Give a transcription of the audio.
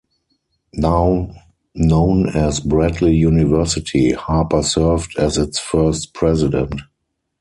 Now known as Bradley University, Harper served as its first president.